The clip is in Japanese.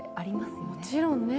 もちろん、ねえ。